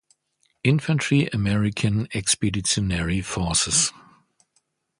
Infantry American Expeditionary Forces.